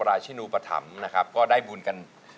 เพลงที่เจ็ดเพลงที่แปดแล้วมันจะบีบหัวใจมากกว่านี้